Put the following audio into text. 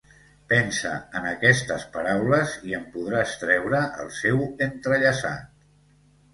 Pensa en aquestes paraules i en podràs treure el seu entrellaçat.